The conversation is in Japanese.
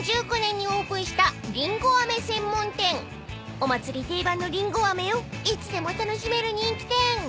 ［お祭り定番のりんごあめをいつでも楽しめる人気店］